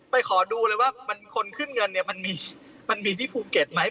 ขอดูเลยว่าคนขึ้นเงินเนี่ยมันมีที่ภูเก็ตไหม